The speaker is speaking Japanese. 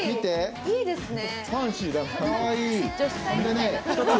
いいですね。